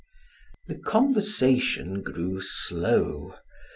The conversation grew slow.